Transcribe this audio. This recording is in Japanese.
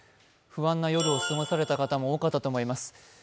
不安な夜を過ごされた方も多かったと思います。